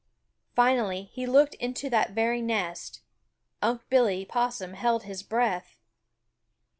Finally he looked into that very nest. Unc' Billy Possum held his breath.